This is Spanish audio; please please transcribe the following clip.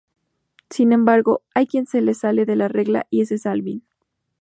Sin embargo, hay alguien que se sale de la regla, y ese es Alvin.